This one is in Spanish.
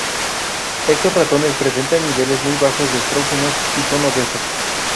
Estos ratones presentan niveles muy bajos de estrógenos y son obesos.